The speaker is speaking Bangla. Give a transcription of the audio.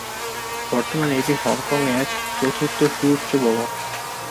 বর্তমানে এটি হংকংয়ের চতুর্থ সুউচ্চ ভবন।